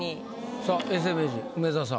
さあ永世名人梅沢さん。